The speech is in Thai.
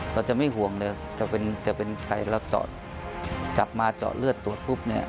เราจะไม่ห่วงเลยจะเป็นใครเราจับมาเจาะเลือดตรวจภูมิ